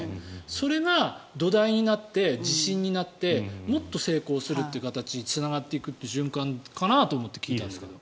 それが土台になって自信になってもっと成功するという形につながっていくという循環かなと思って聞いてたんですけど。